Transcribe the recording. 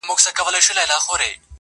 بې دلیله مي د ښمن دی په بازار کي!.